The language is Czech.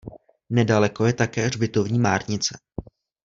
Nedaleko je také hřbitovní márnice.